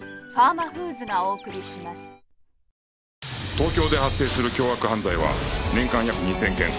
東京で発生する凶悪犯罪は年間約２０００件